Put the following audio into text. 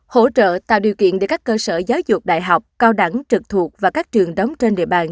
hỗ trợ tạo điều kiện để các cơ sở giáo dục đại học cao đẳng trực thuộc và các trường đóng trên địa bàn